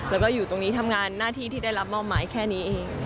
แล้วก็อยู่ตรงนี้ทำงานหน้าที่ที่ได้รับมอบหมายแค่นี้เอง